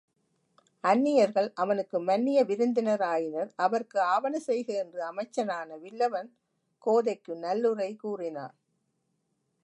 அந்நியர்கள் அவனுக்கு மன்னிய விருந்தினர் ஆயினர் அவர்க்கு ஆவன செய்க என்று அமைச்சனான வில்லவன் கோதைக்கு நல்லுரை கூறினான்.